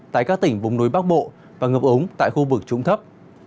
tại các tỉnh vùng núi bắc bộ và ngập ống tại khu vực trúng thấp